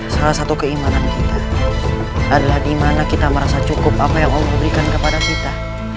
salah satu keimanan kita adalah di mana kita merasa cukup apa yang allah berikan kepada kita